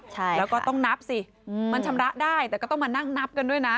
ใช่แล้วก็ต้องนับสิมันชำระได้แต่ก็ต้องมานั่งนับกันด้วยนะ